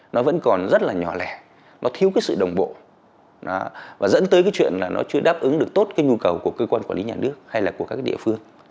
nó vẫn còn rất là nhỏ lẻ nó thiếu cái sự đồng bộ và dẫn tới cái chuyện là nó chưa đáp ứng được tốt cái nhu cầu của cơ quan quản lý nhà nước hay là của các địa phương